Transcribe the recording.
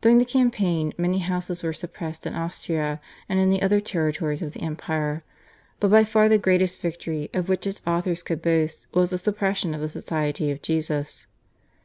During the campaign many houses were suppressed in Austria and in the other territories of the empire, but by far the greatest victory of which its authors could boast was the suppression of the Society of Jesus.